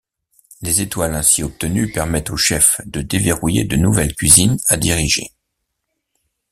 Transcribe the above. Les étoiles ainsi obtenues permettent aux chefs de déverrouiller de nouvelles cuisines à diriger.